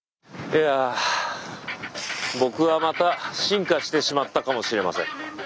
いやあ僕はまた進化してしまったかもしれません。